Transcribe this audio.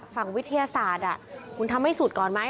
ฝั่งวิทยาศาสตร์คุณทำให้สุดก่อนไหม